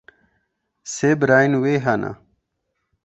Sê birayên wê hene.